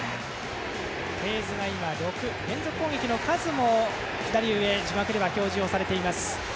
フェーズが６連続攻撃の数も、左上字幕では表示されています。